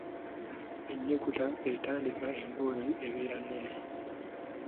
Ennukuta etandika emboozi ebeera nnene.